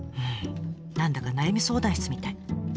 何だか悩み相談室みたい。